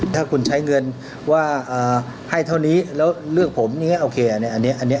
ถ้าคุณใช้เงินว่าให้เท่านี้แล้วเลือกผมอย่างนี้โอเคอันนี้